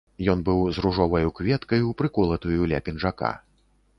Ён быў з ружоваю кветкаю, прыколатаю ля пінжака.